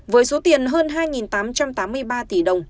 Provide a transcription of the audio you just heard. với số tiền hơn hai tám trăm tám mươi ba tỷ đồng